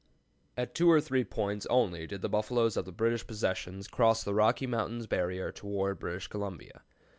At two or three points only did the buffaloes of the British Possessions cross the Rocky Mountain barrier toward British Columbia.